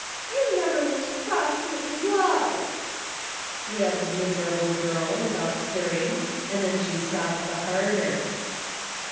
You never was crossed in love !" wailed the miserable girl, without stirring, and then she sobbed the harder.